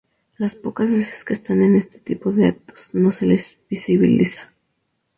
las pocas veces que están en este tipo de actos, no se les visiviliza